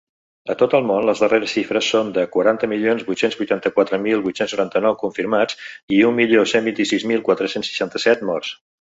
A tot el món, les darreres xifres són de quaranta milions vuit-cents vuitanta-quatre mil vuit-cents noranta-nou confirmats i un milió cent vint-i-sis mil quatre-cents seixanta-set morts.